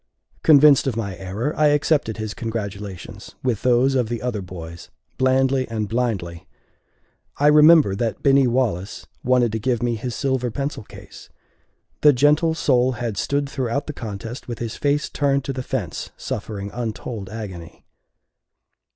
Convinced of my error, I accepted his congratulations, with those of the other boys, blandly and blindly. I remember that Binny Wallace wanted to give me his silver pencil case. The gentle soul had stood throughout the contest with his face turned to the fence, suffering untold agony.